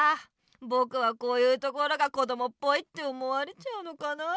ぼくはこういうところがこどもっぽいって思われちゃうのかなあ。